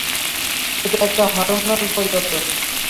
এটা একটা হরমোনাল পরিবর্তন।